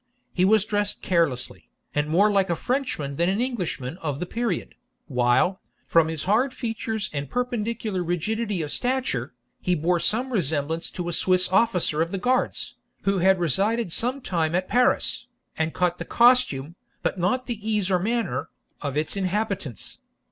He was dressed carelessly, and more like a Frenchman than an Englishman of the period, while, from his hard features and perpendicular rigidity of stature, he bore some resemblance to a Swiss officer of the guards, who had resided some time at Paris, and caught the costume, but not the ease or manner, of its inhabitants.